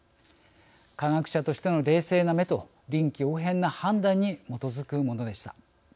科学者としての冷静な目と臨機応変な判断に基づくものでした。